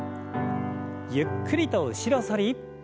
ゆっくりと後ろ反り。